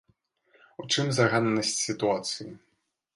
У чым заганнасць сітуацыі?